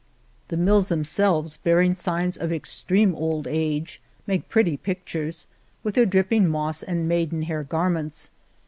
The mills themselves, bearing signs of extreme old age, make pretty pictures, with their dripping moss and maiden hair garments.